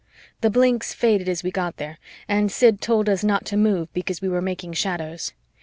The blinks faded as we got there and Sid told us not to move because we were making shadows.